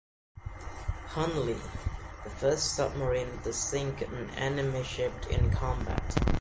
Hunley, the first submarine to sink an enemy ship in combat.